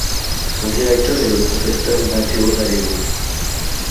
Son directeur est le professeur Mateo Valero.